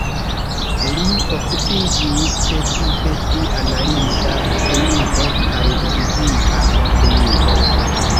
Li okupiĝis precipe pri analiza kemio kaj fizika kemio.